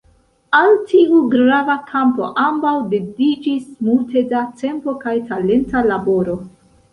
Al tiu grava kampo ambaŭ dediĉis multe da tempo kaj talenta laboro.